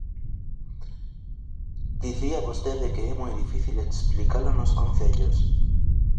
Dicía vostede que é moi difícil explicalo nos concellos.